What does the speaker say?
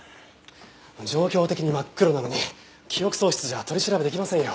状況的に真っ黒なのに記憶喪失じゃ取り調べ出来ませんよ。